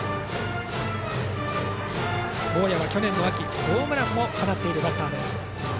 大矢は去年の秋ホームランも放っているバッター。